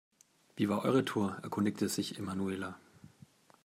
Wie war eure Tour?, erkundigte sich Emanuela.